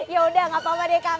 yaudah gak apa apa deh kak